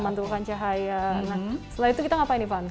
membentukkan cahaya setelah itu kita ngapain nih van